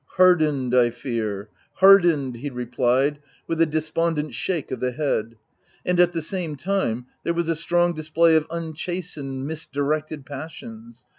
u Hardened, I fear — hardened ! v he replied, with a despondent shake of the head ;" and at the same time, there was a strong display of unchastened, misdirected passions.